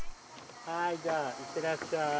はいじゃあ行ってらっしゃい。